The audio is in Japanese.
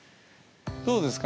どうですか？